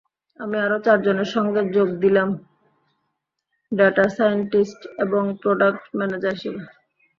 আমি আরও চারজনের সঙ্গে যোগ দিলাম ডেটা সায়েন্টিস্ট এবং প্রোডাক্ট ম্যানেজার হিসেবে।